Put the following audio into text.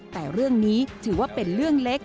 แต่เรื่องนี้ถือว่าเป็นเรื่องเล็ก